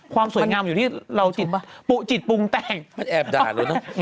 ความสวยงามอยู่ที่เราจิตปรุงแต่ง